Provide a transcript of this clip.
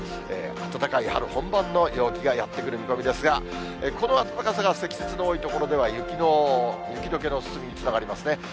暖かい春本番の陽気がやって来る見込みですが、この暖かさが積雪の多い所では雪どけの進みにつながりますね。